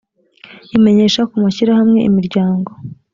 imenyesha ku mashyirahamwe imiryango